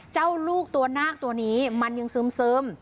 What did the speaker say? เจ้าลูกตัวนาคตัวนี้มันยังซึม